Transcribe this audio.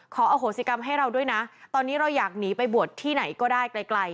ขออโหสิกรรมให้เราด้วยนะตอนนี้เราอยากหนีไปบวชที่ไหนก็ได้ไกล